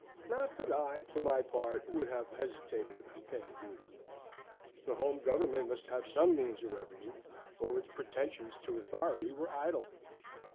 Not that I for my part would have hesitated about paying duty. The home Government must have some means of revenue, or its pretensions to authority were idle.